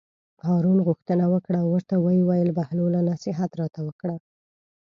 هارون غوښتنه وکړه او ورته ویې ویل: بهلوله نصیحت راته وکړه.